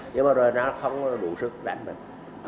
nhưng mà rồi nó không đủ sức đánh mình